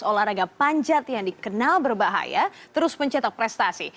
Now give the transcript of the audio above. olahraga panjat yang dikenal berbahaya terus mencetak prestasi